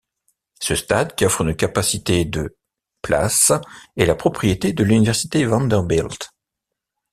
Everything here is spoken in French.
Ce stade qui offre une capacité de places est la propriété de l'Université Vanderbilt.